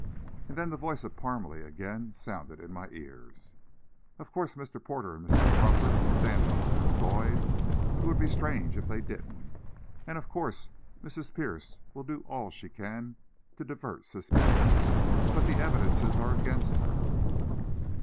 And then the voice of Parmalee again sounded in my ears. "Of course Mr. Porter and Mr. Crawford would stand up for Miss Lloyd; it would be strange if they didn't. And of course, Mrs. Pierce will do all she can to divert suspicion. But the evidences are against her."